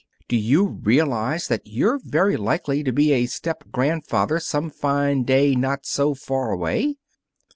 A., do you realize that you're very likely to be a step grandfather some fine day not so far away!"